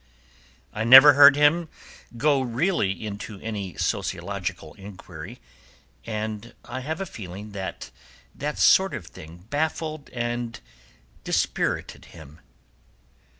I never heard him go really into any sociological inquiry, and I have a feeling that that sort of thing baffled and dispirited him.